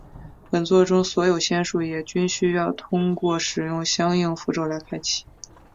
本作中所有仙术也均需要通过使用相应符咒来开启。